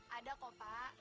ada kok pak